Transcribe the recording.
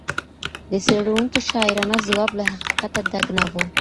د څېړونکي شاعرانه ځواب له حقیقته ډک نه و.